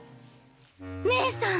ねえさん！